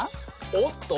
おっと。